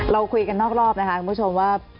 เราคุยกันทบก่อนทุกคุณชมว่า